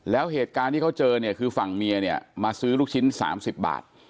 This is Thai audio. แล้วเหตุการณ์ที่เขาเจอเนี่ยคือฝั่งเมียเนี่ยมาซื้อลูกชิ้น๓๐บาท